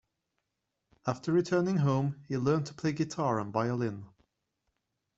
After returning home, he learned to play guitar and violin.